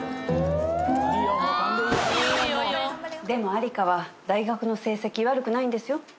でも亜里香は大学の成績悪くないんですよ？